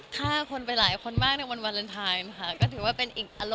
ทำงานกับพี่แอนครับ